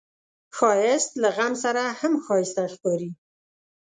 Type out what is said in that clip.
ښایست له غم سره هم ښايسته ښکاري